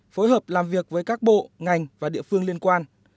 phối hợp làm việc với các bộ ngành và địa phương liên quan